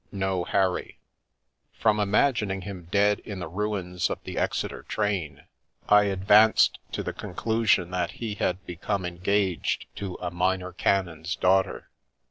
No Harry. From imagining him dead in the ruins of the Exeter train, I advanced to the conclusion that he had become engaged to a minor canon's daughter.